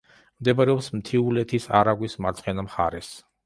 მდებარეობს მთიულეთის არაგვის მარცხენა მხარეს.